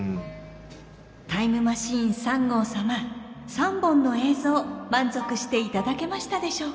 タイムマシーン３号様３本の映像満足していただけましたでしょうか？